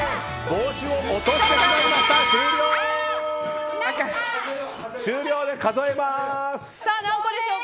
帽子を落としてしまいました。